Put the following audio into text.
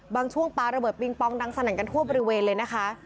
บางช่วงปลาระเบิดปิงปองดังสนั่นกันทั่วบริเวณเลยนะคะ